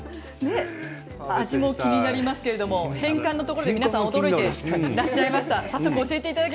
味も気になりますけれど変換のところで皆さん驚いていらっしゃいましたね。